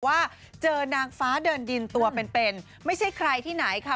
ว่าเจอนางฟ้าเดินดินตัวเป็นเป็นไม่ใช่ใครที่ไหนค่ะ